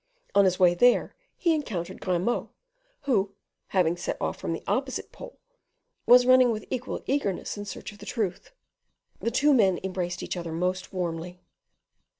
On his way there he encountered Grimaud, who, having set off from the opposite pole, was running with equal eagerness in search of the truth. The two men embraced each other most warmly.